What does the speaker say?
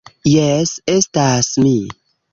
Jes, estas mi